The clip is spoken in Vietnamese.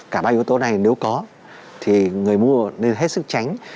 cả ba yếu tố này nếu có thì người mua nên hết sức tránh